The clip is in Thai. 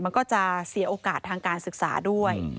มันก็จะเสียโอกาสทางการศึกษาด้วย